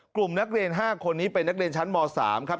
กลุ่มนักเรียน๕คนนี้เป็นนักเรียนชั้นม๓ครับ